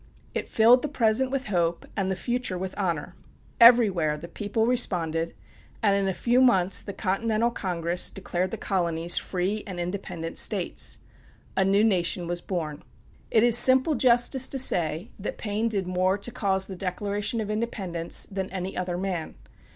It filled the present with hope and the future with honor. Everywhere the people responded, and in a few months the Continental Congress declared the colonies free and independent states. A new nation was born. It is simple justice to say that Paine did more to cause the Declaration of Independence than any other man.